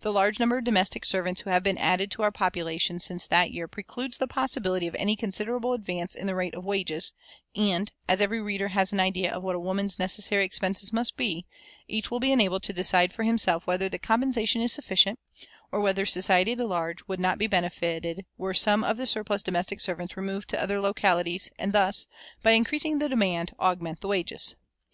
The large number of domestic servants who have been added to our population since that year precludes the possibility of any considerable advance in the rate of wages, and, as every reader has an idea of what a woman's necessary expenses must be, each will be enabled to decide for himself whether the compensation is sufficient, or whether society at large would not be benefited were some of the surplus domestic servants removed to other localities, and thus, by increasing the demand, augment the wages.